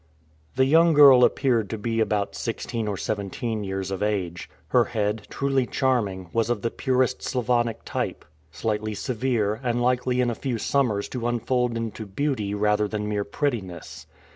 The young girl appeared to be about sixteen or seventeen years of age. Her head, truly charming, was of the purest Sclavonic type slightly severe, and likely in a few summers to unfold into beauty rather than mere prettiness.